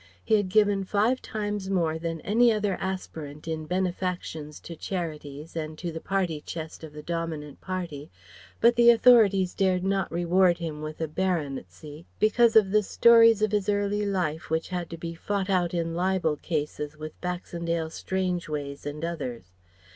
He had given five times more than any other aspirant in benefactions to charities and to the party chest of the dominant Party, but the authorities dared not reward him with a baronetcy because of the stories of his early life which had to be fought out in libel cases with Baxendale Strangeways and others.